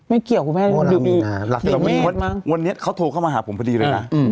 ไม่เกี่ยวหัวละมีแมทวันนี้เขาโทรเข้ามาหาผมพอดีเลยนะ